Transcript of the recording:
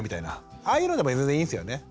ああいうのでも全然いいんですよね？